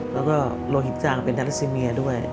แล้วก็โลหิตจางเป็นดาริซิเมียด้วย